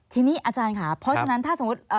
ทีนี้อาจารย์ค่ะเพราะฉะนั้นถ้าสมมุติ